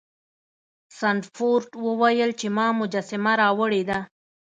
سنډفورډ وویل چې ما مجسمه راوړې ده.